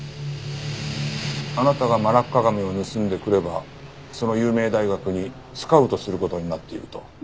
あなたがマラッカガメを盗んでくればその有名大学にスカウトする事になっていると。